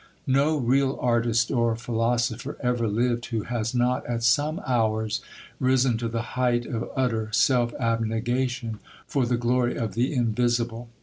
No real artist or philosopher ever lived who has not at some hours risen to the height of utter self abnegation for the glory of the invisible.